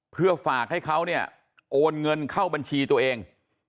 เพื่อฝากให้เขาเนี่ยโอนเงินเข้าบัญชีตัวเอง